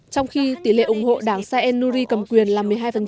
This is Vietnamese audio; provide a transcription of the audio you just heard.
trong khi tỷ lệ ủng hộ đảng saen nuri cầm quyền là một mươi hai